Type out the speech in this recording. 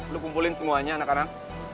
lu kumpulin semuanya anak anak